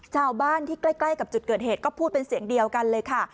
ชาวบ้านที่ใกล้กับจุดเกิดเหตุก็พูดเป็นเสียงเดียวกันเลยค่ะ